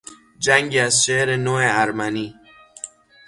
جنگی از شعر نو ارمنی